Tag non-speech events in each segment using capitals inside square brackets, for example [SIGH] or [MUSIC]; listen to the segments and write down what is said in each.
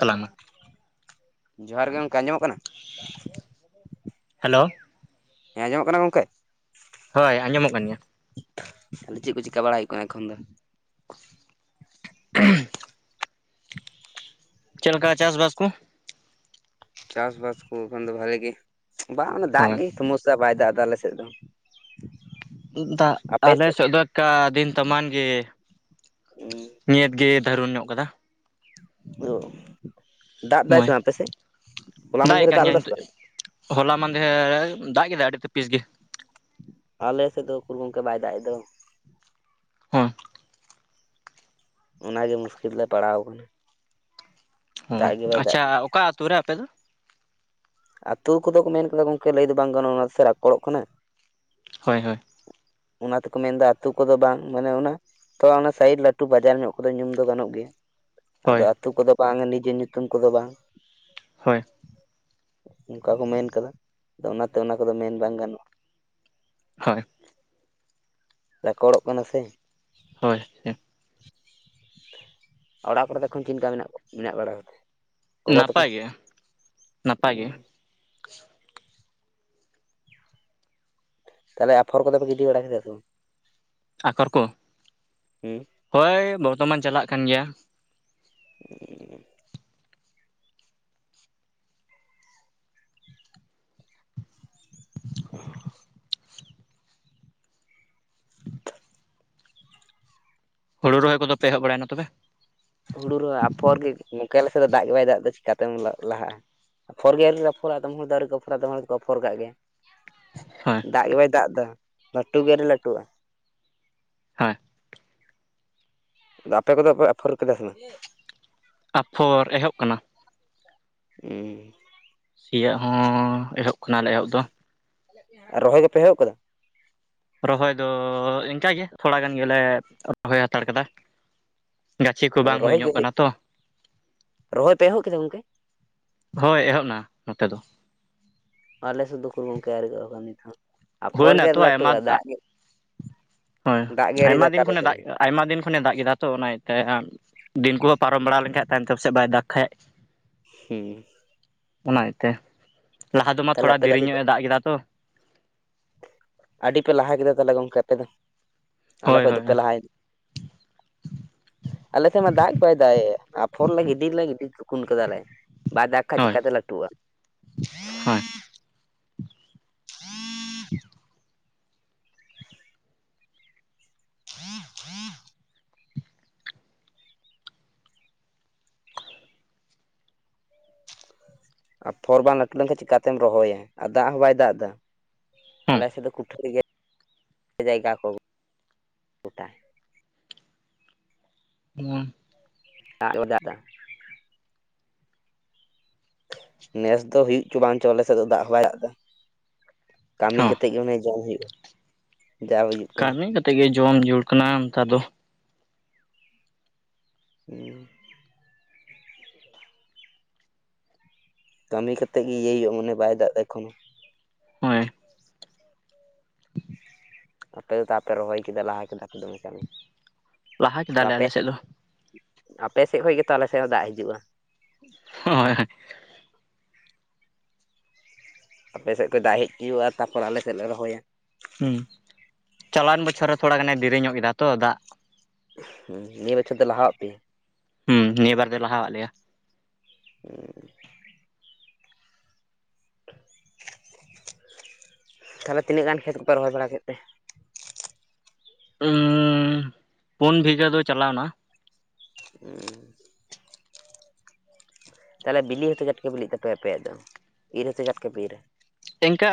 ᱛᱟᱞᱟᱝ ᱢᱮ ᱡᱚᱦᱟᱨ ᱜᱮ ᱜᱚᱢᱠᱮ ᱟᱸᱡᱚᱢᱚᱜ ᱠᱟᱱᱟ? ᱦᱮᱞᱳ᱾ ᱦᱮᱸ ᱟᱸᱡᱚᱢᱚᱜ ᱠᱟᱱᱟ ᱜᱚᱝᱠᱮ? ᱦᱳᱭ ᱟᱸᱡᱚᱢᱚᱜ ᱠᱟᱱ ᱜᱮᱭᱟ᱾ ᱟᱫᱚ ᱪᱮᱫ ᱠᱚ ᱪᱤᱠᱟ ᱵᱟᱲᱟᱭ ᱦᱩᱭᱩᱜ ᱠᱟᱱᱟ ᱮᱠᱷᱚᱱ ᱫᱚ? [INAUDIBLE] [UNINTELLIGIBLE] ᱪᱮᱫ ᱞᱮᱠᱟ ᱪᱟᱥᱵᱟᱥ ᱠᱚ? ᱪᱟᱥᱵᱟᱥ ᱠᱚ ᱮᱠᱷᱚᱱ ᱫᱚ ᱵᱷᱟᱞᱤ ᱜᱮ, ᱵᱟᱝ ᱚᱱᱟ ᱫᱟᱜ ᱦᱳᱭ ᱜᱮ ᱢᱚᱡᱽ ᱪᱤᱫᱟᱜ ᱵᱟᱭ ᱫᱟᱜ ᱫᱟ ᱟᱞᱮ ᱥᱮᱫ ᱫᱚ? ᱫᱟᱜ ᱟᱞᱮ ᱥᱮᱫ ᱫᱚ ᱮᱠᱟ ᱫᱤᱱ ᱛᱟᱢᱟᱱ ᱜᱮ᱾ ᱱᱮᱛ ᱜᱮ ᱫᱟᱨᱩᱱ ᱧᱚᱜ ᱠᱟᱫᱟ᱾ ᱟᱫᱚ ᱫᱟᱜ ᱮᱫᱟᱭ ᱥᱮ ᱱᱚᱜᱼᱚᱭ ᱟᱯᱮᱥᱮᱫ, ᱦᱚᱞᱟ ᱢᱚᱫᱽᱫᱷᱮ ᱮᱜ ᱨᱮ ᱠᱟᱱ ᱫᱟᱜ ᱜᱮᱭᱟ ᱞᱮᱫᱟᱭ ᱱᱤᱛᱚᱜ ᱥᱮᱵᱟᱝ? ᱦᱚᱞᱟ ᱢᱟᱫᱷᱮᱨ ᱨᱮ ᱫᱟᱜ ᱜᱮᱫᱟᱭ ᱟᱹᱰᱤ ᱛᱟᱹ ᱯᱤᱥ ᱜᱮ᱾ ᱟᱞᱮ ᱥᱮᱜ ᱫᱚ ᱩᱠᱩᱨ ᱜᱚᱝᱠᱮ ᱵᱟᱭ ᱫᱟᱜ ᱮᱜ ᱫᱚ᱾ ᱦᱚᱸ ᱚᱱᱟᱜᱮ ᱢᱩᱥᱠᱤᱞ ᱨᱞᱮ ᱯᱟᱲᱟᱣ ᱟᱠᱟᱱᱟ᱾ ᱚ ᱫᱟᱜ ᱜᱮ ᱵᱟᱭ ᱫᱟᱜ ᱟᱪᱪᱷᱟ ᱮᱫᱟ᱾ ᱚᱠᱟ ᱟᱛᱩ ᱨᱮ ᱟᱯᱮ ᱫᱚ? ᱟᱛᱩ ᱠᱚᱫᱚ ᱠᱚ ᱢᱮᱱ ᱠᱮᱫᱟ ᱜᱚᱝᱠᱮ ᱞᱟᱹᱭ ᱫᱚ ᱵᱟᱝ ᱜᱟᱱᱚᱜ-ᱟ ᱚᱱᱟᱛᱮ ᱥᱟᱨᱟ ᱠᱚ ᱨᱚᱯᱲᱚᱜ ᱠᱟᱱᱟ᱾ ᱦᱚᱭ ᱦᱚᱭ᱾ ᱚᱱᱟ ᱛᱮᱠᱚ ᱢᱮᱱᱫᱟ ᱟᱛᱩ ᱠᱚᱫᱚ ᱵᱟᱝ ᱢᱟᱱᱮ ᱚᱱᱟ᱾ ᱛᱚ ᱚᱱᱟ ᱥᱟᱭᱤᱰ ᱞᱟᱹᱴᱩ ᱵᱟᱡᱟᱨ ᱧᱚᱜ ᱠᱚᱫᱚ ᱧᱩᱢ ᱫᱚ ᱜᱟᱱᱚᱜ ᱜᱮᱭᱟ᱾ ᱟᱫᱚ ᱦᱳᱭ ᱟᱹᱛᱩ ᱠᱚᱫᱚ ᱵᱟᱝᱟ ᱱᱤᱡᱮ ᱧᱩᱛᱩᱢ ᱠᱚᱫᱚ ᱵᱟᱝ᱾ ᱦᱳᱭ᱾ ᱚᱱᱠᱟ ᱠᱚ ᱢᱮᱱ ᱠᱟᱫᱟ ᱟᱫᱚ ᱚᱱᱟᱛᱮ ᱚᱱᱟ ᱠᱚᱫᱚ ᱢᱮᱱ ᱵᱟᱝ ᱜᱟᱱᱚᱜ-ᱟ᱾ ᱦᱚᱭ᱾ ᱨᱮᱠᱚᱲᱚᱜ ᱠᱟᱱᱟ ᱥᱮ᱾ ᱦᱳᱭ ᱦᱮᱸ᱾ ᱚᱲᱟᱜ ᱠᱚᱨᱮ ᱫᱚ ᱮᱠᱷᱚᱱ ᱪᱤᱱᱠᱟ ᱢᱮᱱᱟᱜ-ᱢᱮᱱᱟᱜ ᱵᱟᱲᱟ ᱠᱚᱛᱮ? ᱜᱚᱜᱚ ᱛᱟᱠᱚ ᱱᱟᱯᱟᱭ ᱜᱮ ᱱᱟᱯᱟᱭ ᱜᱮ ᱩᱸ ᱛᱟᱦᱞᱮ ᱟᱯᱷᱚᱨ ᱠᱚ ᱫᱚ ᱯᱮ ᱜᱤᱰᱤ ᱵᱟᱲᱟ ᱠᱮᱫᱟ ᱥᱮ ᱵᱟᱝ? ᱟᱠᱚᱨ ᱠᱚ, ᱦᱩᱸ ᱦᱳᱭ ᱵᱚᱨᱛᱚᱢᱟᱱ ᱪᱟᱞᱟᱜ ᱠᱟᱱ ᱜᱮᱭᱟ᱾ [INAUDIBLE] ᱦᱩᱲᱩ ᱨᱚᱦᱚᱭ ᱠᱚ ᱫᱚ ᱯᱮ ᱮᱦᱚᱵ ᱵᱟᱲᱟᱭᱱᱟ ᱛᱚᱵᱮ? ᱦᱩᱲᱩ ᱨᱮ ᱟᱯᱷᱚᱨ ᱜᱮ ᱜᱚᱝᱠᱮ ᱟᱞᱮᱥᱮ ᱫᱚ ᱫᱟᱜ ᱜᱮ ᱵᱟᱭ ᱫᱟᱜ ᱫᱟ ᱪᱤᱠᱟᱛᱮᱢ ᱞᱟᱦᱟᱜ-ᱟ? ᱟᱯᱷᱚᱨᱜᱮ ᱟᱹᱣᱨᱤ ᱞᱮ ᱟᱯᱷᱚᱨᱟ ᱟᱫᱚᱢ ᱦᱚᱲ ᱫᱚ ᱟᱹᱣᱨᱤ ᱠᱚ ᱟᱯᱷᱚᱨᱟ ᱟᱫᱚᱢ ᱦᱚᱲ ᱫᱚ ᱠᱚ ᱟᱯᱷᱚᱨ ᱠᱟᱜ ᱜᱮᱭᱟ᱾ ᱦᱳᱭ ᱫᱟᱜ ᱜᱮ ᱵᱟᱭ ᱫᱟᱜ ᱫᱟ ᱞᱟᱹᱴᱩ ᱜᱮ ᱟᱣᱨᱤ ᱞᱟᱹᱴᱩᱜ-ᱟ᱾ ᱦᱮᱸ ᱟᱫᱚ ᱟᱯᱮ ᱠᱚᱫᱚ ᱯᱮ ᱟᱯᱷᱳᱨ ᱠᱮᱫᱟ ᱥᱮ ᱵᱟᱝ? ᱟᱯᱷᱚᱨ ᱮᱦᱚᱵ ᱠᱟᱱᱟ᱾ ᱩᱸ ᱥᱤᱭᱟᱜ ᱦᱚᱸ ᱮᱦᱚᱵ ᱠᱟᱱᱟᱞᱮ ᱮᱦᱚᱵ ᱫᱚ᱾ ᱟᱨ ᱨᱚᱦᱚᱭ ᱫᱚᱯᱮ ᱮᱦᱚᱵ ᱠᱟᱫᱟ? ᱨᱚᱦᱚᱭ ᱫᱚ ᱤᱝᱠᱟ ᱜᱮ ᱛᱷᱚᱲᱟ ᱜᱟᱱ ᱜᱮᱞᱮ ᱨᱚᱦᱚᱭ ᱦᱟᱛᱟᱲ ᱠᱟᱫᱟ᱾ ᱜᱟᱪᱷᱤ ᱠᱚ ᱵᱟᱝ ᱦᱩᱭ ᱨᱚᱦᱚᱭ ᱜᱮ ᱧᱚᱜ ᱠᱟᱱᱟ ᱛᱚ, ᱨᱚᱦᱚᱭ ᱯᱮ ᱮᱦᱚᱵ ᱠᱮᱫᱟ ᱜᱚᱝᱠᱮ? ᱦᱳᱭ ᱮᱦᱚᱵ ᱱᱟ ᱱᱚᱛᱮ ᱫᱚ᱾ ᱟᱞᱮ ᱥᱮᱜ ᱫᱚ ᱩᱠᱩᱨ ᱜᱚᱝᱠᱮ ᱟᱣᱨᱤ ᱠᱚ ᱮᱦᱚᱵᱟ ᱱᱤᱛ ᱦᱚᱸ᱾ ᱟᱯᱷᱚᱨ ᱦᱩᱭᱱᱟ ᱜᱮ ᱟᱹᱨᱤ ᱛᱚ ᱟᱭᱢᱟ ᱞᱟᱹᱴᱩᱜ-ᱟ ᱫᱟᱜ ᱜᱮ ᱦᱳᱭ ᱫᱟᱜ ᱜᱮ ᱟᱹᱨᱤ ᱟᱭᱢᱟ ᱫᱟᱜ-ᱟᱭ ᱫᱤᱱ ᱟᱞᱮ ᱠᱷᱚᱱᱮ ᱥᱮᱫ ᱫᱟᱜ ᱫᱚ᱾ ᱟᱭᱢᱟ ᱫᱤᱱ ᱠᱷᱚᱱᱮ ᱫᱟᱜ ᱠᱮᱫᱟ ᱛᱚ ᱚᱱᱟ ᱤᱭᱟᱹᱛᱮ᱾ ᱫᱤᱱ ᱠᱚᱫᱚ ᱯᱟᱨᱚᱢ ᱵᱟᱲᱟ ᱞᱮᱱᱠᱟᱡ ᱛᱟᱭᱚᱢ ᱛᱮ ᱯᱟᱥᱮᱫ ᱵᱟᱭ ᱫᱟᱜ ᱠᱷᱟᱡ, ᱦᱩᱸ ᱚᱱᱟ ᱤᱭᱟᱹᱛᱮ ᱞᱟᱦᱟ ᱫᱚᱢᱟ ᱛᱟᱦᱚᱞᱮ ᱛᱷᱚᱲᱟ ᱟᱯᱮ ᱫᱚ ᱫᱮᱨᱤ ᱟᱹᱰᱤ ᱧᱚᱜ ᱮ ᱫᱟᱜ ᱠᱮᱫᱟ ᱛᱚ᱾ ᱟᱹᱰᱤ ᱯᱮ ᱞᱟᱦᱟ ᱠᱮᱫᱟ ᱛᱟᱦᱞᱮ ᱜᱚᱝᱠᱮ ᱟᱯᱮ ᱫᱚ ᱟᱞᱮ ᱦᱳᱭ ᱠᱷᱚᱡ ᱦᱳᱭ ᱫᱚᱯᱮ ᱞᱟᱦᱟᱭ ᱟᱞᱮᱥᱮᱜ ᱢᱟ ᱫᱟᱜ ᱵᱟᱭ ᱫᱟᱜ ᱮᱜ ᱟᱯᱷᱚᱨ ᱞᱮ ᱜᱤᱰᱤᱨ ᱞᱮ ᱜᱤᱰᱤᱨ ᱠᱩ ᱠᱩᱱ ᱠᱟᱫᱟᱞᱮ᱾ ᱵᱟᱭ ᱫᱟᱜ ᱠᱷᱟᱡ ᱦᱳᱭ ᱪᱤᱠᱟᱛᱮ ᱞᱟᱴᱩᱜ-ᱟ? ᱦᱳᱭ ᱟᱯᱷᱚᱨ ᱵᱟᱝ ᱞᱟᱹᱴᱩ ᱞᱮᱱᱠᱷᱟᱱ ᱪᱤᱠᱟᱛᱮᱢ ᱨᱚᱦᱚᱭᱟ? ᱟᱨ ᱫᱟᱜ ᱦᱚᱸ ᱵᱟᱭ ᱫᱟᱜ ᱮᱫᱟ ᱦᱮᱸ ᱟᱞᱮ ᱥᱮᱫ ᱫᱚ ᱠᱩᱴᱷᱟᱹ ᱨᱮᱜᱮ ᱡᱟᱭᱜᱟ ᱠᱚ᱾ ᱜᱚᱴᱟ ᱦᱩᱸ [UNINTELLIGIBLE] ᱱᱮᱥ ᱫᱚ ᱦᱩᱭᱩᱜ ᱪᱚ ᱵᱟᱝ ᱪᱚ ᱟᱞᱮ ᱥᱮᱫ ᱫᱚ ᱫᱟᱜ ᱦᱚᱸ ᱵᱟᱭ ᱫᱟᱜ ᱮᱫᱟ ᱠᱟᱹᱢᱤ ᱦᱚᱸ ᱠᱟᱛᱮ ᱜᱮ ᱚᱱᱮ ᱡᱚᱢ ᱦᱩᱭᱩᱜᱼᱟ᱾ ᱡᱟ ᱦᱩᱭᱩᱜ ᱠᱟᱱᱟ ᱠᱟᱹᱢᱤ ᱠᱟᱛᱮᱫ ᱜᱮ ᱡᱚᱢ ᱡᱩᱲ ᱠᱟᱱᱟ ᱱᱮᱛᱟᱨ ᱫᱚ ᱦᱩᱸ ᱠᱟᱹᱢᱤ ᱠᱟᱛᱮᱫ ᱜᱮ ᱤᱭᱟᱹᱭ ᱦᱩᱭᱩᱜᱼᱟ ᱢᱟᱱᱮ ᱵᱟᱭ ᱫᱟᱜ ᱮᱠᱷᱚᱱᱳ᱾ ᱦᱳᱭ ᱟᱯᱮ ᱫᱚ ᱛᱟᱯᱮ ᱨᱚᱦᱚᱭ ᱠᱮᱫᱟ ᱞᱟᱦᱟ ᱠᱮᱫᱟ ᱯᱮ ᱫᱚᱢᱮ ᱠᱟᱹᱢᱤ ᱞᱟᱦᱟ ᱟᱫᱚ ᱠᱮᱫᱟᱞᱮ ᱟᱯᱮ ᱟᱞᱮ ᱥᱮᱫ ᱫᱚ᱾ ᱟᱯᱮ ᱥᱮᱫ ᱠᱷᱚᱡ ᱜᱮᱛᱚ ᱟᱮ ᱥᱮᱫ ᱦᱚᱸ ᱫᱟᱜ ᱦᱤᱡᱩᱜᱼᱟ᱾ ᱦᱳᱭ ᱦᱳᱭ᱾ ᱟᱯᱮ ᱥᱮᱫ ᱠᱚᱡ ᱫᱟᱜ ᱦᱮᱡ ᱦᱩᱭᱩᱜᱼᱟ ᱛᱟᱯᱚᱨ ᱟᱞᱮ ᱥᱮᱫ ᱞᱮ ᱨᱚᱦᱚᱭᱟ᱾ ᱦᱩᱸ ᱪᱟᱞᱟᱣᱮᱱ ᱵᱚᱪᱷᱚᱨ ᱨᱮ ᱛᱷᱚᱲᱟ ᱜᱟᱱᱮ ᱫᱮᱨᱤ ᱧᱚᱜ ᱠᱮᱫᱟ ᱛᱚ ᱫᱟᱜ ᱱᱤᱭᱟᱹ ᱵᱚᱪᱷᱚᱨ ᱫᱚ ᱞᱟᱦᱟᱣᱟᱜ ᱯᱮᱭᱟ? ᱦᱢ ᱱᱤᱭᱟᱹ ᱵᱟᱨ ᱫᱚᱭ ᱞᱟᱦᱟᱣᱟᱜ ᱞᱮᱭᱟ᱾ ᱦᱮᱸ ᱛᱟᱦᱚᱞᱮ ᱛᱱᱟᱹᱜ ᱜᱟᱱ ᱠᱷᱮᱛ ᱠᱚᱯᱮ ᱨᱚᱦᱚᱭ ᱵᱟᱲᱟ ᱠᱮᱫ ᱛᱮ? ᱩᱸᱻ ᱯᱩᱱ ᱵᱤᱜᱷᱟᱹ ᱫᱚ ᱪᱟᱞᱟᱣᱱᱟ᱾ ᱦᱩᱸ ᱛᱟᱦᱚᱞᱮ ᱵᱤᱞᱤ ᱦᱚᱸᱛᱚ ᱪᱟᱴᱜᱮ ᱵᱤᱞᱤᱜ ᱛᱟᱯᱮ ᱟᱯᱮᱭᱟᱜ ᱫᱚ ᱤᱨ ᱦᱚᱸᱛᱚ ᱪᱟᱴ ᱜᱮᱯᱮ ᱤᱨᱟ᱾ ᱮᱱᱠᱟ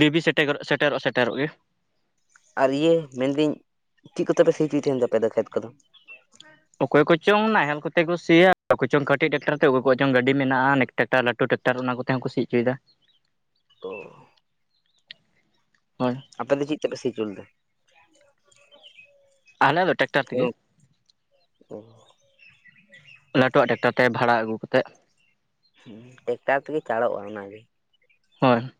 ᱫᱤᱵᱤ ᱥᱮᱴᱮᱨᱚᱜ, ᱥᱮᱴᱮᱨᱚᱜ, ᱥᱮᱴᱮᱨᱚᱜ ᱜᱮ᱾ ᱟᱨ ᱤᱭᱟᱹ ᱢᱮᱱ ᱫᱟᱹᱧ ᱪᱮᱫ ᱠᱚᱛᱮᱯᱮ ᱥᱤ ᱦᱚᱪᱚᱭᱮᱫ ᱛᱟᱦᱮ ᱟᱯᱮ ᱫᱚ ᱠᱷᱮᱛ ᱠᱚᱫᱚ? ᱚᱠᱚᱭ ᱠᱚᱪᱚᱝ ᱱᱟᱦᱮᱞ ᱠᱚᱛᱮ ᱠᱚ ᱥᱤᱭᱟ ᱚᱠᱚᱭ ᱪᱚᱝ ᱠᱟᱹᱴᱤᱡ ᱴᱟᱠᱴᱟᱨ ᱛᱮ ᱚᱠᱚᱭ ᱠᱚᱪᱚᱝ ᱜᱟᱹᱰᱤ ᱢᱮᱱᱟᱜᱼᱟ ᱾ ᱴᱮᱠᱴᱟᱨ ᱞᱟᱹᱴᱩ ᱴᱮᱠᱴᱟᱨ ᱚᱱᱟ ᱠᱚᱛᱮ ᱦᱚᱸᱠᱚ ᱥᱤ ᱦᱚᱪᱚᱭᱮᱫᱟ ᱾ ᱚ ᱦᱚᱸᱭ ᱟᱯᱮ ᱫᱚ ᱪᱮᱫ ᱛᱮᱯᱮ ᱥᱤ ᱪᱚ ᱞᱮᱫᱟ? ᱟᱞᱮ ᱫᱚ ᱴᱮᱠᱴᱟᱨ ᱛᱮᱜᱮ᱾ ᱚ ᱞᱟᱹᱴᱩᱣᱟᱜ ᱴᱟᱠᱴᱟᱨ ᱛᱮ ᱵᱷᱟᱲᱟ ᱟᱹᱜᱩ ᱠᱟᱛᱮᱫ᱾ ᱦᱩᱸ ᱴᱮᱠᱴᱟᱨ ᱛᱮᱜᱮ ᱪᱟᱲᱚᱜᱼᱟ ᱚᱱᱟᱛᱮᱜᱮ ᱾ ᱦᱳᱭ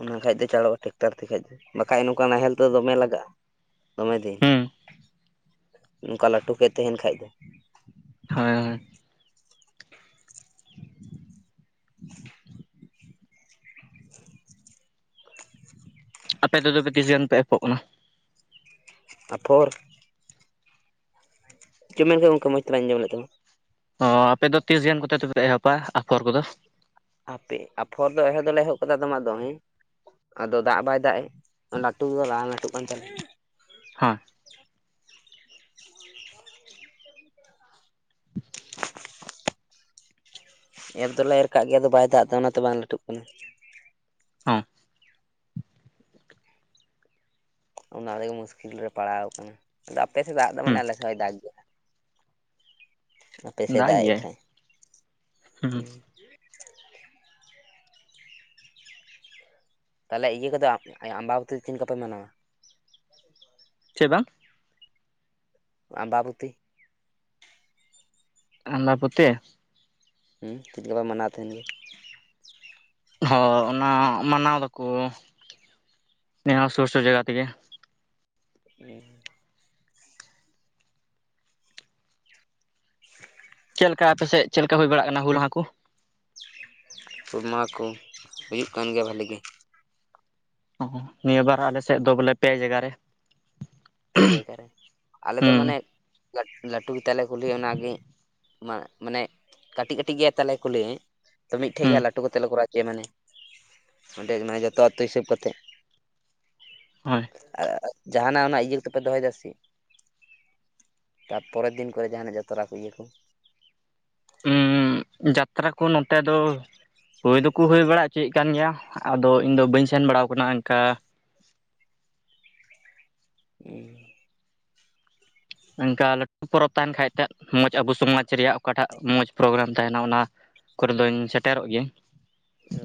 ᱚᱱᱟ ᱠᱷᱟᱡ ᱫᱚ ᱪᱟᱲᱚᱜᱼᱟ ᱴᱮᱠᱴᱟᱨ ᱛᱮᱠᱷᱟᱡ ᱫᱚ ᱵᱟᱠᱷᱟᱡ ᱱᱚᱝᱠᱟ ᱱᱟᱦᱮᱞ ᱛᱮᱫᱚ ᱫᱚᱢᱮ ᱞᱟᱜᱟᱜᱼᱟ ᱾ ᱫᱚᱢᱮ ᱫᱤᱱ ᱦᱩᱸ ᱱᱚᱝᱠᱟ ᱞᱟᱹᱴᱩ ᱠᱷᱮᱫ ᱛᱟᱦᱮᱟᱸᱱ ᱠᱷᱟᱡ ᱫᱚ᱾ ᱦᱳᱭ ᱦᱮᱸ ᱟᱯᱮ ᱫᱚ ᱛᱚᱵᱮ ᱛᱤᱥ ᱜᱟᱱ ᱯᱮ ᱮᱯᱚᱜ ᱠᱟᱱᱟ? ᱟᱯᱷᱚᱨ᱾ ᱪᱮᱜ ᱮᱢ ᱢᱮᱱ ᱠᱮᱫᱟ ᱜᱚᱢᱠᱮ ᱢᱚᱡᱽ ᱛᱮ ᱵᱟᱝᱤᱧ ᱟᱸᱡᱚᱢ ᱞᱮᱫ ᱛᱟᱢᱟ? ᱚᱻ ᱟᱯᱮᱫᱚ ᱛᱤᱥ ᱜᱟᱱ ᱛᱮ ᱫᱚᱯᱮ ᱮᱦᱚᱵᱟ ᱟᱯᱷᱚᱨ ᱠᱚᱫᱚ? ᱟᱯᱮ ᱟᱯᱷᱚᱨ ᱫᱚ ᱮᱦᱚᱵ ᱫᱚᱞᱮ ᱮᱦᱚᱵ ᱠᱟᱫᱟ ᱫᱚᱢᱮ ᱫᱚ ᱦᱮᱸ, ᱟᱫᱚ ᱫᱟᱜ ᱵᱟᱭ ᱫᱟᱜ ᱮᱡ ᱞᱟᱹᱴᱩᱫᱚ ᱵᱟᱝ ᱞᱟᱹᱴᱩᱜ ᱠᱟᱱ ᱛᱟᱞᱮᱭᱟ᱾ ᱦᱚᱸᱭ [INAUDIBLE] ᱮᱨ ᱫᱚᱞᱮ ᱮᱨ ᱠᱟᱜ ᱜᱮᱭᱟ ᱟᱫᱚ ᱵᱟᱭ ᱫᱟᱜ ᱮᱫᱟ ᱚᱱᱟᱛᱮ ᱵᱟᱝ ᱞᱟᱹᱴᱩᱜ ᱠᱟᱱᱟ ᱾ ᱦᱚᱸ ᱾ [INAUDIBLE] ᱚᱱᱟᱛᱮᱜᱮ ᱢᱩᱥᱠᱤᱞ ᱨᱮᱞᱮ ᱯᱟᱲᱟᱣ ᱟᱠᱟᱱᱟ, ᱟᱫᱚ ᱟᱯᱮ ᱥᱮᱫ ᱫᱟᱜ ᱫᱚ ᱢᱟᱱᱮ ᱦᱩᱸ ᱟᱞᱮ ᱥᱮᱫ ᱦᱚᱸᱭ ᱫᱟᱜ ᱜᱮᱭᱟ ᱾ ᱫᱟᱜ ᱮᱫ ᱜᱮᱭᱟᱭ ᱠᱷᱟᱡ ᱦᱩᱸ ᱾ ᱛᱟᱦᱚᱞᱮ ᱤᱭᱟᱹ ᱠᱚᱫᱚ ᱟᱢᱵᱟ ᱵᱟᱛᱤ ᱪᱮᱫ ᱞᱮᱠᱟᱯᱮ ᱢᱟᱱᱟᱣᱟ? ᱪᱮ ᱵᱟᱝ? ᱟᱢᱵᱟᱵᱚᱛᱤ ᱾ ᱟᱢᱵᱟᱵᱚᱛᱤ ᱾ ᱦᱢ ᱪᱮᱫ ᱞᱮᱠᱟ ᱯᱮ ᱢᱟᱱᱟᱣ ᱛᱟᱦᱮᱱ ᱜᱮ? ᱦᱚ ᱚᱱᱟ ᱢᱟᱱᱟᱣ ᱫᱟᱠᱚ ᱱᱤᱭᱟᱹ ᱥᱩᱨ ᱥᱩᱨ ᱡᱟᱭᱜᱟ ᱛᱮᱜᱮ ᱾ ᱦᱢ ᱾ [INAUDIBLE] ᱪᱮᱫ ᱞᱮᱠᱟ ᱟᱯᱮᱥᱮᱫ ᱪᱮᱫ ᱞᱮᱠᱟ ᱦᱩᱭ ᱵᱟᱲᱟᱜ ᱠᱟᱱᱟ ᱦᱩᱞ ᱢᱟᱦᱟ ᱠᱚ? ᱦᱩᱞ ᱢᱟᱦᱟ ᱠᱚ, ᱦᱩᱭᱩᱜ ᱠᱟᱱ ᱜᱮᱭᱟ ᱵᱷᱟᱹᱞᱤ ᱜᱮ ᱾ ᱚ ᱱᱤᱭᱟᱹ ᱵᱟᱨ ᱟᱞᱮ ᱥᱮᱫ ᱫᱚ ᱵᱚᱞᱮ ᱯᱮ ᱡᱟᱭᱜᱟ ᱨᱮ ᱾ ᱯᱮ ᱡᱟᱭᱜᱟ ᱨᱮ, ᱟᱞᱮᱫᱚ ᱢᱟᱱᱮ ᱦᱩᱸ ᱞᱟᱹᱴ ᱞᱟᱹᱴᱩ ᱜᱮᱛᱟᱞᱮ ᱠᱩᱞᱦᱤ ᱚᱱᱟᱜᱤ ᱢᱟ ᱢᱟᱱᱮ ᱠᱟᱹᱴᱤᱡ ᱠᱟᱹᱴᱤᱡ ᱜᱮᱭᱟ ᱛᱟᱞᱮ ᱠᱩᱞᱦᱤ ᱛᱚ ᱢᱤᱫᱴᱷᱮᱡ ᱜᱮᱸ ᱦᱩᱸ ᱦᱟᱸᱜ ᱞᱟᱹᱴᱩ ᱠᱟᱛᱮᱫ ᱞᱮ ᱠᱚᱨᱟᱣ ᱦᱚᱪᱚᱭᱟ ᱢᱟᱱᱮ ᱚᱸᱰᱮ ᱜᱮᱱᱟᱜ ᱦᱩᱭᱩᱜᱼᱟ ᱡᱚᱛᱚ ᱟᱹᱛᱩ ᱦᱤᱥᱟᱹᱵ ᱠᱟᱛᱮ ᱾ ᱦᱳᱭ ᱾ ᱟᱨ ᱡᱟᱦᱟᱱᱟᱜ ᱚᱱᱟ ᱤᱭᱟᱹ ᱛᱚᱯᱮ ᱫᱚᱦᱚᱭᱫᱟ ᱥᱮ ᱪᱮᱫ ᱛᱟᱯᱚᱨᱮᱨ ᱫᱤᱱ ᱠᱚᱨᱮ ᱡᱟᱦᱟᱱᱟᱜ ᱡᱟᱛᱨᱟ ᱠᱚ ᱤᱭᱟᱹ ᱠᱚ? ᱡᱟᱛᱨᱟ ᱠᱚ ᱱᱚᱛᱮ ᱫᱚ ᱦᱩᱭ ᱫᱚᱠᱚ ᱦᱩᱭ ᱵᱟᱲᱟ ᱦᱚᱪᱚᱮᱫ ᱠᱟᱱ ᱜᱮᱭᱟ, ᱟᱫᱚ ᱤᱧᱫᱚ ᱵᱟᱹᱧ ᱥᱮᱱ ᱵᱟᱲᱟᱣ ᱟᱠᱟᱱᱟ ᱚᱱᱠᱟ ᱦᱩᱸ ᱾ ᱚᱱᱠᱟ ᱞᱟᱹᱴᱩ ᱯᱚᱨᱚᱵᱽ ᱛᱟᱦᱮᱱ ᱠᱷᱟᱡ ᱴᱟᱜ ᱢᱚᱡᱽ ᱟᱵᱚ ᱥᱚᱢᱟᱡᱽ ᱨᱮᱭᱟᱜ ᱚᱠᱟᱴᱟᱜ ᱢᱚᱡᱽ ᱯᱨᱳᱜᱨᱟᱢ ᱛᱟᱦᱮᱱᱟ ᱚᱱᱟ ᱠᱚᱨᱮ ᱫᱚᱧ ᱥᱮᱴᱮᱨᱚᱜ ᱜᱮᱭᱟᱧ ᱾ ᱚ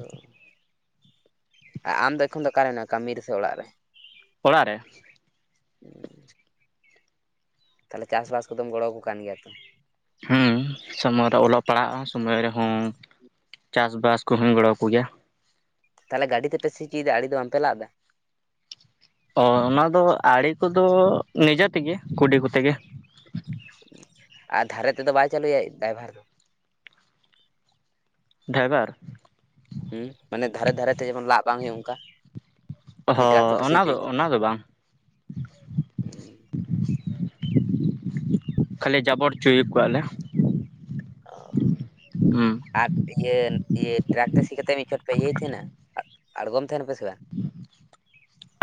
ᱟᱨ ᱟᱢ ᱫᱚ ᱮᱠᱷᱚᱱ ᱫᱚ ᱚᱠᱟᱨᱮ ᱢᱮᱱᱟᱢᱟ ᱠᱟᱹᱢᱤ ᱨᱮᱥᱮ ᱚᱲᱟᱜ ᱨᱮ? ᱚᱲᱟᱜ ᱨᱮ ᱾ [INAUDIBLE] ᱛᱟᱦᱚᱞᱮ ᱪᱟᱥᱵᱟᱥ ᱠᱚᱫᱚᱢ ᱜᱚᱲᱚᱣᱟᱠᱚ ᱠᱟᱱ ᱜᱮᱭᱟ ᱛᱚ? ᱦᱢ ᱥᱚᱢᱚᱭ ᱨᱮ ᱚᱞᱚᱜ ᱯᱟᱲᱦᱟᱜᱼᱟ ᱥᱚᱢᱚᱭ ᱨᱮᱦᱚᱸ ᱪᱟᱥᱵᱟᱥ ᱠᱚᱦᱚᱧ ᱜᱚᱲᱚ ᱟᱠᱚ ᱜᱮᱭᱟ ᱾ ᱛᱟᱦᱚᱞᱮ ᱜᱟᱹᱰᱤ ᱛᱮ ᱯᱮ ᱥᱤ ᱚᱪᱚᱭᱮᱫᱟ ᱟᱲᱮ ᱫᱚ ᱵᱟᱯᱮ ᱞᱟᱜ ᱫᱟ? ᱚ ᱚᱱᱟᱫᱚ ᱟᱲᱮ ᱠᱚᱫᱚ ᱱᱤᱡᱮ ᱛᱮᱜᱮ ᱠᱩᱰᱤ ᱠᱚᱛᱮ ᱜᱮ ᱾ ᱟᱨ ᱫᱷᱟᱨᱮ ᱛᱮᱫᱚ ᱵᱟᱭ ᱪᱟᱹᱞᱩᱭᱟ ᱰᱟᱭᱵᱷᱟᱨ ᱫᱚ? ᱰᱟᱭᱵᱷᱟᱨ ᱦᱢ ᱢᱟᱱᱮ ᱫᱷᱟᱨᱮ ᱫᱷᱟᱨᱮ ᱛᱮ ᱡᱮᱢᱚᱱ ᱞᱟᱜ ᱵᱟᱝ ᱦᱩᱭᱩᱜ ᱚᱱᱠᱟ ᱾ ᱦᱚᱸ ᱚᱱᱟ ᱫᱚ ᱚᱱᱟ ᱫᱚ ᱵᱟᱝ ᱠᱷᱟᱞᱤ ᱡᱟᱵᱚᱨ ᱦᱚᱪᱚᱭ ᱠᱚᱣᱟ ᱞᱮ ᱾ ᱦᱩᱸ ᱟᱨ ᱤᱭᱟᱹ ᱤᱭᱟᱹ ᱴᱨᱟᱠ ᱛᱮ ᱥᱤ ᱠᱟᱛᱮ ᱢᱤᱫ ᱪᱷᱚᱴ ᱯᱮ ᱤᱭᱟᱹᱭ ᱛᱟᱦᱮᱸᱱᱟ ᱟᱬᱜᱚᱢ ᱛᱟᱦᱮᱱᱟ ᱯᱮ ᱥᱮ ᱵᱟᱝ?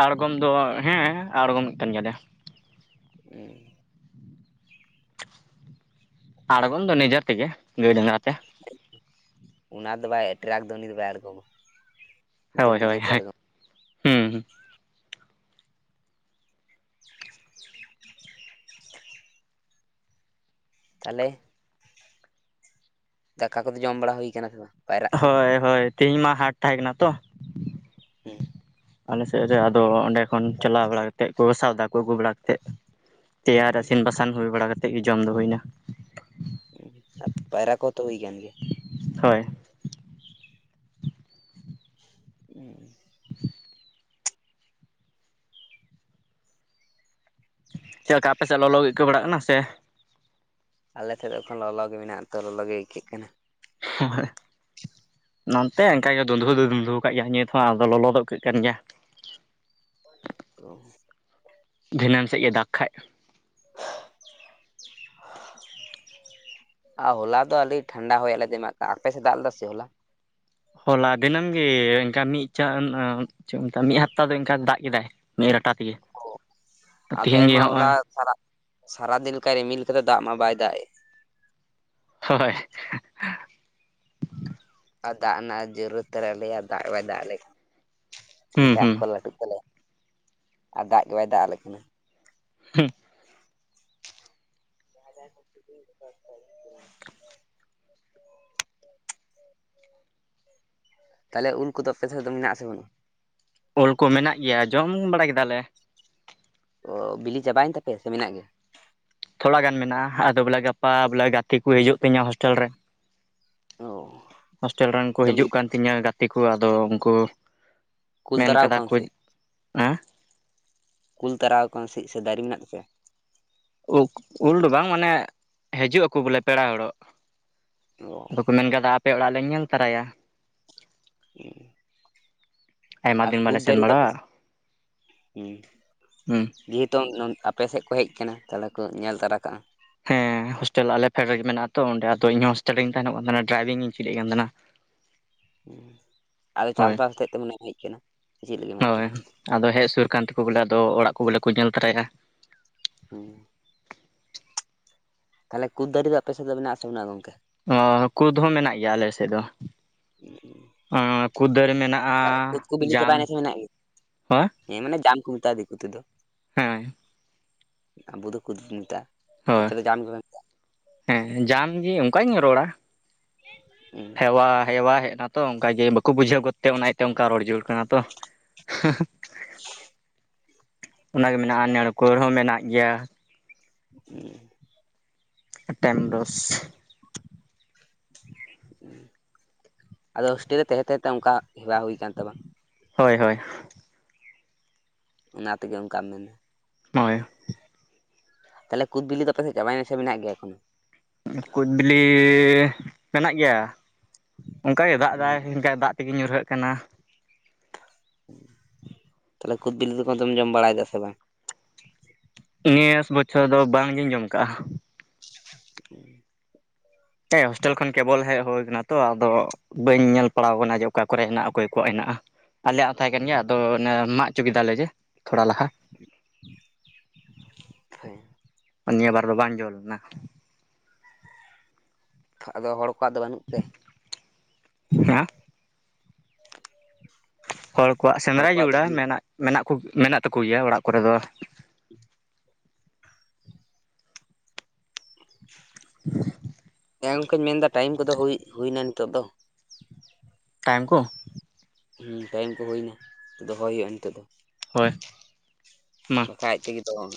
ᱟᱬᱜᱚᱢ ᱫᱚ ᱦᱮᱸ ᱟᱬᱜᱚᱢᱮᱜ ᱠᱟᱱ ᱜᱮᱭᱟᱞᱮ ᱾ ᱦᱢ ᱾ ᱟᱬᱜᱚᱢ ᱫᱚ ᱱᱤᱡᱮ ᱛᱮᱜᱮ ᱜᱟᱹᱭ ᱰᱟᱝᱨᱟ ᱛᱮ ᱾ ᱚᱱᱟ ᱫᱚ ᱵᱟᱭ ᱴᱨᱟᱠ ᱫᱚ ᱩᱱᱤ ᱫᱚ ᱵᱟᱭ ᱟᱬᱜᱚᱢᱟ ᱩᱱᱤ ᱦᱳᱭ ᱫᱚ ᱦᱳᱭ ᱱᱤᱡᱮᱛᱮ ᱦᱳᱭ ᱟᱬᱜᱚᱢᱟ ᱦᱩᱸ ᱦᱩᱸ [INAUDIBLE] ᱛᱟᱦᱚᱞᱮ ᱫᱟᱠᱟ ᱠᱚ ᱫᱚ ᱡᱚᱢ ᱵᱟᱲᱟ ᱦᱩᱭ ᱟᱠᱟᱱᱟ ᱥᱮ ᱵᱟᱝ ᱯᱟᱭᱨᱟᱜ ᱠᱚ? ᱦᱳᱭ ᱦᱳᱭ ᱛᱮᱦᱤᱧ ᱢᱟ ᱦᱟᱴ ᱛᱟᱦᱮᱸ ᱠᱟᱱᱟ ᱛᱚ ᱦᱩᱸ ᱟᱞᱮ ᱥᱮᱫ ᱨᱮ ᱟᱫᱚ ᱚᱸᱰᱮ ᱠᱷᱚᱱ ᱪᱟᱞᱟᱣ ᱵᱟᱲᱟ ᱠᱟᱛᱮᱫ ᱠᱚ ᱥᱟᱣᱫᱟ ᱠᱚ ᱟᱹᱜᱩ ᱵᱟᱲᱟ ᱠᱟᱛᱮᱫ ᱛᱮᱭᱟᱨ ᱤᱥᱤᱱ ᱵᱟᱥᱟᱝ ᱦᱩᱭ ᱵᱟᱲᱟ ᱠᱟᱛᱮᱫ ᱜᱮ ᱡᱚᱢ ᱫᱚ ᱦᱩᱭᱱᱟ ᱦᱩᱸ ᱟᱨ ᱯᱟᱭᱨᱟ ᱠᱚᱛᱚ ᱦᱩᱭ ᱟᱠᱟᱱ ᱜᱮᱭᱟ ᱦᱳᱭ [UNINTELLIGIBLE] ᱪᱮᱫ ᱞᱮᱠᱟ ᱟᱯᱮ ᱥᱮᱫ ᱞᱚᱞᱚ ᱜᱮ ᱟᱹᱭᱠᱟᱹ ᱵᱟᱲᱟᱜ ᱠᱟᱱᱟ ᱥᱮ ᱟᱞᱮ ᱥᱮᱫ ᱮᱠᱷᱚᱱ ᱞᱚᱞᱚ ᱜᱮ ᱢᱮᱱᱟᱜ-ᱟ ᱛᱚ ᱞᱚᱞᱚ ᱜᱮ ᱟᱹᱭᱠᱟᱹᱜ ᱠᱟᱱᱟ ᱱᱚᱱᱛᱮ ᱚᱱᱠᱟ ᱜᱮ ᱫᱩᱸᱫᱷᱩ ᱫᱚ ᱫᱩᱸᱫᱷᱩ ᱟᱠᱟᱫ ᱜᱮᱭᱟ ᱱᱤᱛ ᱦᱚᱸ ᱟᱫᱚ ᱞᱚᱞᱚ ᱫᱚ ᱟᱹᱭᱠᱟᱹᱜ ᱠᱟᱱ ᱜᱮᱭᱟ ᱚ ᱫᱷᱤᱱᱟᱹᱱ ᱥᱮᱫ ᱜᱮ ᱫᱟᱜᱽ ᱠᱷᱟᱡ [INAUDIBLE] ᱟᱨ ᱦᱚᱞᱟ ᱫᱚ ᱟᱞᱮ ᱴᱷᱟᱱᱰᱟ ᱦᱚᱭᱟ ᱟᱞᱮ ᱮᱢᱟᱜ ᱠᱟᱱ ᱟᱯᱮᱥᱮᱜ ᱫᱟᱜ ᱞᱮᱫᱟ ᱥᱮ ᱦᱚᱞᱟ ᱦᱚᱞᱟ ᱫᱤᱱᱟᱹᱢ ᱜᱮ ᱤᱱᱠᱟ ᱢᱤᱫ ᱪᱮᱫ [UNINTELLIGIBLE] ᱢᱤᱫ ᱦᱟᱯᱛᱟ ᱫᱚ ᱚᱱᱠᱟ ᱫᱟᱜ ᱠᱮᱫᱟᱭ ᱢᱤᱫ ᱨᱟᱴᱟ ᱛᱮᱜᱮ ᱚ ᱟᱞᱮ ᱛᱮᱦᱮᱧ ᱜᱮ ᱢᱟ ᱦᱚᱞᱟ ᱦᱚᱜᱼᱚᱭ [UNINTELLIGIBLE] ᱥᱟᱨᱟᱫᱤᱱ ᱞᱮᱠᱟ ᱨᱤᱢᱤᱞ ᱠᱟᱫᱟ ᱫᱟᱜ ᱢᱟ ᱵᱟᱭ ᱫᱟᱜ ᱮᱜ ᱦᱳᱭ ᱟᱨ ᱫᱟᱜ ᱨᱮᱱᱟᱜ ᱡᱚᱨᱩᱨᱟᱛ ᱛᱟᱞᱮᱭᱟ ᱫᱟᱜ ᱵᱟᱭ ᱫᱟᱜ ᱟᱞᱮ ᱦᱩᱸ ᱢᱮᱱᱠᱷᱟᱱ ᱦᱩᱸ ᱟᱠᱚᱨ ᱞᱟᱹᱴᱩᱜ ᱛᱟᱞᱮᱭᱟ ᱟᱨ ᱫᱟᱜ ᱜᱮ ᱵᱟᱭ ᱫᱟᱜ ᱟᱞᱮ ᱠᱟᱱᱟ ᱦᱩᱸ [INAUDIBLE] ᱛᱟᱦᱚᱞᱮ ᱩᱞ ᱠᱚᱫᱚ ᱟᱯᱮ ᱥᱮᱫ ᱫᱚ ᱢᱮᱱᱟᱜ ᱟᱥᱮ ᱵᱟᱹᱱᱩᱜᱼᱟ ᱩᱞ ᱠᱚ ᱢᱮᱱᱟᱜ ᱜᱮᱭᱟ ᱡᱚᱢ ᱵᱟᱲᱟ ᱠᱮᱫᱟᱞᱮ ᱚ ᱵᱤᱞᱤ ᱪᱟᱵᱟᱭᱮᱱ ᱛᱟᱯᱮᱭᱟ ᱥᱮ ᱢᱮᱱᱟᱜ ᱜᱮᱭᱟ ᱛᱷᱚᱲᱟ ᱜᱟᱱ ᱢᱮᱱᱟᱜᱼᱟ ᱟᱫᱚ ᱵᱚᱞᱮ ᱜᱟᱯᱟ ᱵᱚᱞᱮ ᱜᱟᱛᱮ ᱠᱚ ᱦᱤᱡᱩᱜ ᱛᱤᱧᱟᱹ ᱦᱳᱥᱴᱮᱞ ᱨᱮ ᱚ ᱦᱳᱥᱴᱮᱞ ᱨᱮᱱ ᱠᱚ ᱟᱫᱚᱢ ᱦᱤᱡᱩᱜ ᱠᱟᱱ ᱛᱤᱧᱟᱹ ᱜᱟᱛᱮ ᱠᱚ ᱟᱫᱚ ᱩᱱᱠᱩ ᱠᱩᱞ ᱢᱮᱱ ᱛᱟᱨᱟᱣ ᱠᱟᱫᱟ ᱠᱟᱱᱟ ᱠᱚ ᱥᱮ ᱦᱮᱸᱼᱼ ᱠᱩᱞ ᱛᱟᱨᱟ ᱟᱠᱟᱱ ᱥᱤᱫ ᱥᱮ ᱫᱟᱨᱮ ᱢᱮᱱᱟᱜ ᱛᱟᱯᱮᱭᱟ ᱩ ᱩᱞ ᱫᱚ ᱵᱟᱝ ᱢᱟᱱᱮ ᱦᱤᱡᱩᱜ ᱟᱠᱚ ᱵᱚᱞᱮ ᱯᱮᱲᱟ ᱦᱚᱲᱚᱜ ᱚ ᱟᱫᱚ ᱠᱚ ᱢᱮᱱ ᱠᱟᱫᱟ ᱟᱯᱮ ᱚᱲᱟᱜ ᱞᱮ ᱧᱮᱞ ᱛᱟᱨᱟᱭᱟ [UNINTELLIGIBLE] ᱟᱭᱢᱟ ᱟᱨ ᱫᱤᱱ ᱠᱩᱫ ᱵᱟᱞᱮ ᱫᱟᱨᱮ ᱥᱮᱱ ᱫᱚ ᱟᱯᱮ ᱵᱟᱲᱟᱜᱼᱟ ᱥᱮᱫ ᱦᱩᱸ ᱦᱩᱸ ᱵᱤᱨᱼᱼ [UNINTELLIGIBLE] ᱟᱯᱮ ᱥᱮᱫ ᱠᱚ ᱦᱮᱡ ᱟᱠᱟᱱᱟ ᱛᱟᱦᱚᱞᱮ ᱠᱚ ᱧᱮᱞ ᱛᱟᱨᱟ ᱠᱟᱜᱼᱟ ᱦᱮᱸ ᱦᱳᱥᱴᱮᱞ ᱟᱞᱮ ᱯᱷᱮᱰ ᱨᱮᱜᱮ ᱢᱮᱱᱟᱜᱼᱟ ᱛᱚ ᱚᱸᱰᱮ ᱟᱫᱚ ᱤᱧ ᱦᱚᱸ ᱦᱳᱥᱴᱮᱞ ᱨᱤᱧ ᱛᱟᱦᱮᱱᱚᱜ ᱠᱟᱱ ᱛᱟᱦᱮᱱᱟ ᱰᱨᱟᱭᱵᱤᱝ ᱤᱧ ᱪᱮᱫ ᱮᱫ ᱠᱟᱱ ᱛᱟᱦᱮᱱᱟ ᱟᱫᱚ ᱪᱟᱥ ᱦᱳᱭ ᱵᱟᱥ ᱟᱛᱮᱫ ᱛᱮ ᱢᱟᱱᱮᱢ ᱦᱮᱡ ᱟᱠᱟᱱᱟ ᱥᱮ ᱪᱮᱫ ᱞᱟᱹᱜᱤᱫ ᱮᱢ ᱦᱮᱡ ᱦᱳᱭ ᱟᱠᱟᱱᱟ ᱟᱫᱚ ᱦᱮᱡ ᱥᱩᱨ ᱟᱠᱟᱱ ᱛᱮᱠᱚ ᱵᱚᱞᱮ ᱟᱫᱚ ᱚᱲᱟᱜ ᱠᱚ ᱵᱚᱞᱮ ᱠᱚ ᱧᱮᱞ ᱛᱟᱨᱟᱭᱟ ᱦᱩᱸ ᱛᱟᱦᱚᱞᱮ ᱠᱩᱫ ᱫᱟᱨᱮ ᱫᱚ ᱟᱯᱮ ᱥᱮᱫ ᱫᱚ ᱢᱮᱱᱟᱜᱼᱟ ᱥᱮ ᱵᱟᱹᱱᱩᱜᱼᱟ ᱜᱚᱝᱠᱮ ᱚᱻ ᱠᱩᱫᱽ ᱦᱚᱸ ᱢᱮᱱᱟᱜ ᱜᱮᱭᱟ ᱟᱞᱮ ᱥᱮᱫ ᱫᱚ᱾ ᱚᱸ ᱠᱩᱫᱽ ᱫᱟᱨᱮ ᱢᱮᱱᱟᱜ ᱼᱟ ᱛᱟᱦᱚᱞᱮ ᱠᱩᱫ ᱠᱚ ᱵᱤᱞᱤ ᱡᱟᱢ ᱪᱟᱵᱟᱭᱮᱱᱟ ᱥᱮ ᱢᱮᱱᱟᱜ ᱜᱮᱭᱟ? ᱯᱟᱸ ᱦᱮᱸ ᱢᱟᱱᱮ ᱡᱟᱢ ᱠᱚ, ᱢᱮᱛᱟᱜᱼᱟ᱾ ᱫᱤᱠᱩ ᱛᱮᱫᱚ᱾ ᱦᱮᱸ ᱟᱵᱚ ᱫᱚ ᱠᱩᱫᱽ ᱵᱚᱱ ᱢᱮᱛᱟᱜᱼᱟ ᱾ ᱦᱳᱭ ᱟᱯᱮ ᱫᱚ ᱡᱟᱢ ᱜᱮᱯᱮ ᱢᱮᱛᱟᱜᱼᱟ? ᱦᱮᱸ ᱡᱟᱢ ᱜᱮ, ᱚᱱᱠᱟᱧ ᱨᱚᱲᱟ᱾ ᱦᱩᱸ ᱦᱮᱣᱟ - ᱦᱮᱣᱟ ᱦᱮᱡᱱᱟ -ᱛᱚ ᱚᱱᱠᱟᱜᱮ ᱵᱟᱠᱚ ᱵᱩᱡᱷᱽᱟᱹᱣ ᱜᱚᱫᱛᱮ, ᱚᱱᱟ ᱤᱭᱟᱹᱛᱮ ᱚᱱᱠᱟ ᱨᱚᱲ ᱡᱩᱨᱩᱲ ᱠᱟᱱᱟ ᱛᱚ᱾ [INAUDIBLE] ᱚᱱᱟᱜᱮ ᱢᱮᱱᱟᱜᱼᱟ᱾ ᱱᱟᱲᱸᱠᱳᱞ ᱦᱚᱸ ᱢᱮᱱᱟᱜ ᱜᱮᱭᱟ᱾ ᱦᱩᱸ ᱮᱴᱮᱱᱰᱚᱥ ᱟᱫᱚ ᱦᱳᱥᱴᱮᱞ ᱨᱮ ᱛᱟᱦᱮᱸ- ᱛᱟᱦᱮᱸ ᱛᱮ ᱚᱱᱠᱟ ᱦᱮᱣᱟᱸ ᱦᱩᱭ ᱟᱠᱟᱱ ᱛᱟᱢᱟ᱾ ᱦᱳᱭ, ᱦᱳᱭ ᱚᱱᱟ ᱛᱮᱜᱮ ᱚᱱᱠᱟᱢ ᱢᱮᱱᱟ᱾ ᱱᱚᱜᱼᱚᱭ ᱛᱟᱦᱚᱞᱮ ᱠᱩᱫᱽ ᱵᱤᱞᱤ ᱫᱚ, ᱟᱯᱮᱥᱮᱫ ᱪᱟᱵᱟᱭᱮᱱᱟ᱾ ᱥᱮ ᱢᱮᱱᱟᱜ ᱜᱮᱭᱟ ᱤᱠᱷᱚᱱ? ᱠᱩᱫᱽ ᱵᱤᱞᱤ ᱢᱮᱱᱟᱜ ᱜᱮᱭᱟ᱾ ᱚᱱᱠᱟ ᱜᱮ ᱫᱟᱜ ᱦᱩᱸ ᱮᱫᱟᱭ ᱮᱱᱠᱟᱭ ᱫᱟᱜ -ᱛᱮᱜᱮᱧ ᱧᱩᱨᱦᱟᱹᱜ ᱠᱟᱱᱟ ᱛᱟᱦᱞᱮ ᱠᱩᱫ ᱵᱤᱞᱤ ᱫᱚ-ᱠᱚ ᱫᱚᱢ ᱡᱚᱢ ᱵᱟᱲᱟᱭᱮᱫᱟ᱾ ᱥᱮ ᱵᱟᱝ? ᱱᱮᱥ ᱵᱚᱪᱷᱚᱨ ᱫᱚ ᱵᱟᱝᱜᱤᱧ ᱡᱚᱢ ᱟᱠᱟᱜᱼᱟ [INAUDIBLE] ᱦᱮᱸ ᱦᱳᱥᱴᱮᱞ ᱠᱷᱚᱱ ᱠᱮᱵᱚᱞ ᱦᱮᱡ ᱦᱩᱭ ᱟᱠᱟᱱᱟ ᱛᱚ ᱾ᱟᱫᱚ ᱵᱟᱹᱧ ᱧᱮᱞ ᱯᱟᱲᱟᱣ ᱟᱠᱟᱱᱟ ᱾ᱡᱮ ᱚᱠᱟ ᱠᱚᱨᱮ ᱦᱮᱱᱟᱜᱼᱟ᱾ ᱚᱠᱚᱭ ᱠᱚᱣᱟᱜ ᱦᱮᱱᱟᱜᱼᱟ᱾ ᱟᱞᱮᱭᱟᱼᱜ ᱦᱚᱸ ᱛᱟᱦᱮᱸ ᱠᱟᱱ ᱜᱮᱭᱟ᱾ ᱟᱫᱚ ᱚᱱᱮ ᱢᱟᱜ ᱦᱚᱪᱚᱸ ᱠᱮᱫᱟᱞᱮ ᱾ ᱡᱮ ᱛᱷᱚᱲᱟ ᱞᱟᱦᱟ ᱦᱮᱸ ᱱᱤᱭᱟᱹ ᱵᱟᱨ ᱫᱚ ᱵᱟᱝ ᱡᱚ ᱞᱮᱱᱟ᱾ ᱟᱫᱚ ᱦᱚᱲ ᱠᱚᱣᱟ-ᱜ ᱫᱚ ᱵᱟᱹᱱᱩᱜ ᱛᱮ? ᱦᱮᱸ ᱦᱚᱲ ᱠᱚᱣᱟᱜ ᱦᱚᱲ ᱥᱮᱸᱫᱽᱨᱟ ᱜᱮ ᱫᱚ ᱵᱤᱲᱟᱹᱣᱟ᱾ ᱵᱟᱹᱱᱩᱜ ᱢᱮᱱᱟᱜ, ᱢᱮᱱᱟᱜ ᱠᱚ ᱢᱮᱱᱟᱜ ᱛᱟᱠᱚ ᱜᱮᱭᱟ ᱚᱲᱟᱜ ᱠᱚᱨᱮ ᱫᱚ᱾ [INAUDIBLE] [INAUDIBLE] ᱦᱮᱸ ᱜᱚᱝᱠᱮᱧ ᱢᱮᱱᱫᱟ ᱾ ᱴᱟᱭᱹᱤᱢ ᱠᱚᱼᱫᱚ ᱦᱩᱭ ᱮᱱᱟ ᱱᱤᱛᱚᱜ ᱫᱚ᱾ ᱴᱟᱭᱤᱢ ᱠᱚ? ᱦᱩᱸ ᱴᱟᱭᱤᱢ ᱠᱚ ᱦᱩᱭᱱᱟ᱾ ᱫᱚᱦᱚᱭ ᱦᱩᱭᱩᱜᱼᱟ ᱱᱤᱛᱳᱜ ᱫᱚ᱾ ᱦᱚᱭ ᱟᱡ ᱛᱮ ᱜᱮᱫᱚᱜᱼᱟ᱾